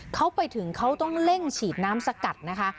เขาไปถึงเขาต้องเร่งฉีดน้ำสกัดนะคะ